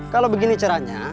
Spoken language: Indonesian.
kalau begini caranya